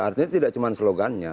artinya tidak cuma slogannya